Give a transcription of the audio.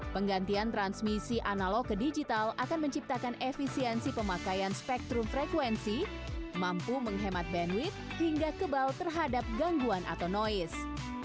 penggantian transmisi analog ke digital akan menciptakan efisiensi pemakaian spektrum frekuensi mampu menghemat bandwidth hingga kebal terhadap gangguan atau noise